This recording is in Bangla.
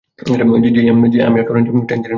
হেই, আর আমি ট্যাঞ্জেরিনের জন্য দুঃখিত।